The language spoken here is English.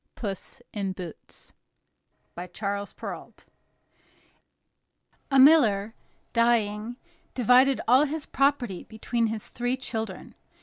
PUSS IN BOOTS By Charles Perrault A miller, dying, divided all his property between his three children.